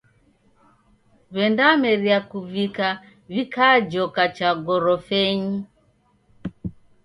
W'endameria kuvika, w'ikajoka cha gorofenyi.